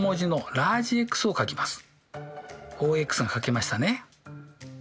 ＯＸが書けましたね。